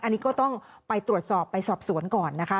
อันนี้ก็ต้องไปตรวจสอบไปสอบสวนก่อนนะคะ